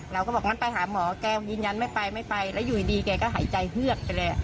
เราก็บอกงั้นไปหาหมอแกยืนยันไม่ไปไม่ไปแล้วอยู่ดีแกก็หายใจเฮือกไปเลย